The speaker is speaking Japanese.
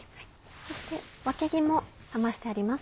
そしてわけぎも冷ましてあります。